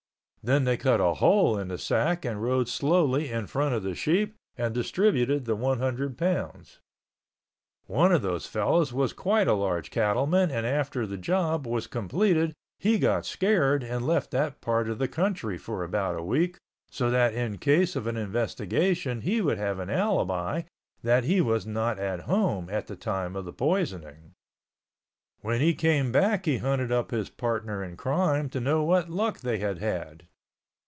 Then they cut a hole in the sack and rode slowly in front of the sheep and distributed the one hundred pounds. One of those fellows was quite a large cattleman and after the job was completed he got scared and left that part of the country for about a week so that in case of an investigation he would have an alibi that he was not at home at the time of the poisoning. When he came back he hunted up his partner in crime to know what luck they had had.